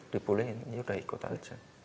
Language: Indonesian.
dipulihin ya udah ikut aja